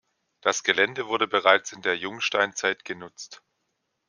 Das Gelände wurde bereits in der Jungsteinzeit genutzt.